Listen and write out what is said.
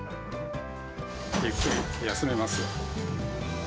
ゆっくり休めますよ。